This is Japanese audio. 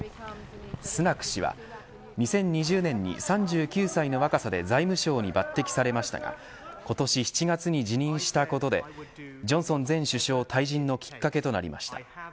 スナク氏は２０２０年に３９歳の若さで財務省に抜てきされましたが今年７月に辞任したことでジョンソン前首相退陣のきっかけとなりました。